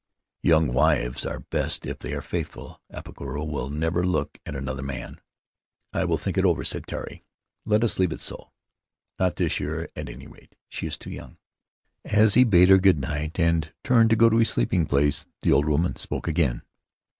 'Young wives are best if they are faithful; Apakura will never look at another man." 'I will think it over," said Tari; "let us leave it so. Not this year, at any rate — she is too young." As he bade her good night and turned to go to his sleeping place the old woman spoke again.